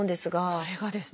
それがですね